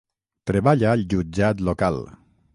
Treballa al jutjat local.